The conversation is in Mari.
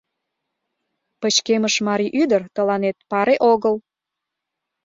Пычкемыш марий ӱдыр тыланет паре огыл.